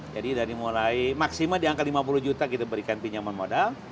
jadi dari mulai maksimal di angka lima puluh juta kita berikan pinjaman modal